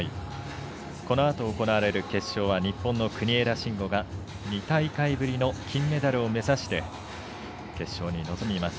このあと行われる決勝は日本の国枝慎吾が２大会ぶりの金メダルを目指して決勝に臨みます。